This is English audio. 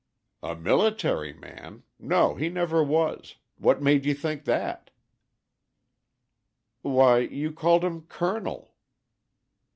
"A military man! No, he never was. What made you think that?" "Why you called him 'Colonel.'"